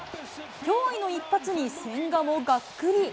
驚異の一発に千賀もがっくり。